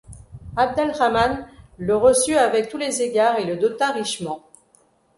Abd al-Rahman le reçut avec tous les égards et le dota richement.